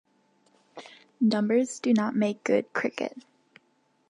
Numbers do not make good cricket.